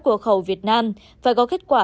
cửa khẩu việt nam phải có kết quả